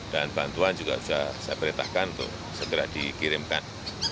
dan bantuan juga sudah saya perintahkan untuk segera dikirimkan